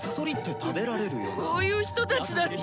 こういう人たちだった。